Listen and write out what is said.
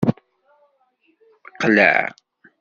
Qleɛ.